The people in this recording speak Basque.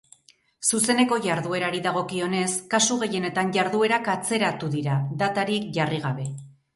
Zuzeneko jarduerari dagokionez, kasu gehienetan jarduerak atzeratu dira, datarik jarri gabe.